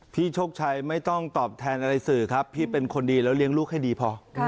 โชคชัยไม่ต้องตอบแทนอะไรสื่อครับพี่เป็นคนดีแล้วเลี้ยงลูกให้ดีพอ